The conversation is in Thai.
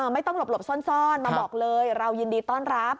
ไม่ต้องหลบซ่อนมาบอกเลยเรายินดีต้อนรับ